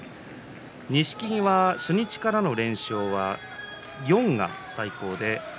錦木は初日からの連勝は４が最高です。